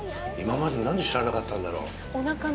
今まで何で知らなかったんだろう。